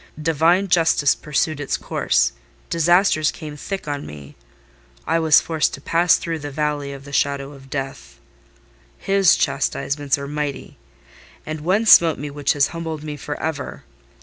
Divine justice pursued its course; disasters came thick on me: I was forced to pass through the valley of the shadow of death. His chastisements are mighty; and one smote me which has humbled me for ever.